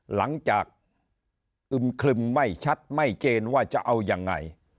หลังจากอึมคลึมไม่ชัดไม่เจนว่าจะเอายังไง